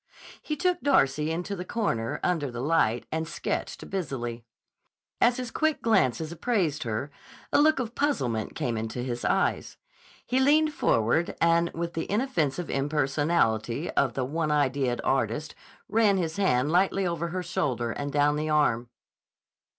He took Darcy into the corner, under the light, and sketched busily. As his quick glances appraised her, a look of puzzlement came into his eyes. He leaned forward, and with the inoffensive impersonality of the one ideaed artist ran his hand lightly over her shoulder and down the arm.